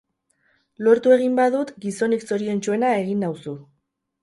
Lortu egin badut, gizonik zoriontsuena egin nauzu.